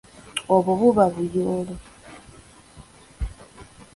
Obwo buba buyolo.